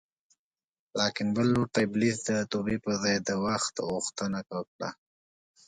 لاکن بل لور ته ابلیس د توبې په ځای د وخت غوښتنه وکړه